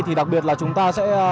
thì đặc biệt là chúng ta sẽ